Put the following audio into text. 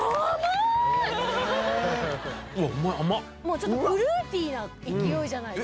ちょっとフルーティーな勢いじゃないですか？